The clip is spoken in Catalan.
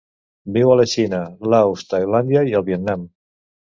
Viu a la Xina, Laos, Tailàndia i el Vietnam.